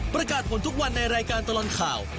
ประกาศผลทุกวันในรายการตลอดข่าว